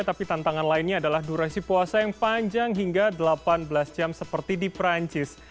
tapi tantangan lainnya adalah durasi puasa yang panjang hingga delapan belas jam seperti di perancis